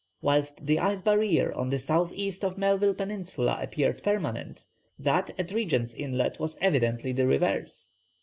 Whilst the ice barrier on the south east of Melville Peninsula appeared permanent, that at Regent's Inlet was evidently the reverse.